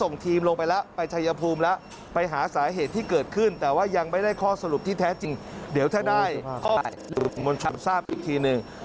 ส่งทีมลงไปแล้วไปชัยภูมิแล้วไปหาสาเหตุที่เกิดขึ้นแต่ว่ายังไม่ได้ข้อสรุปที่แท้จริงเดี๋ยวถ้าได้มวลชนทราบอีกทีหนึ่ง